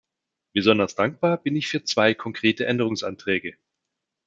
Besonders dankbar bin ich für zwei konkrete Änderungsanträge.